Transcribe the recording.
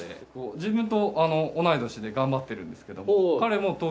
自分と同い年で頑張ってるんですけど。